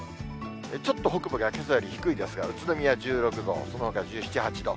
ちょっと北部がけさより低いですが、宇都宮１６度、そのほか１７、８度。